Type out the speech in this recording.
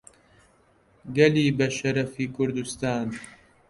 گەلی بەشەڕەفی کوردستان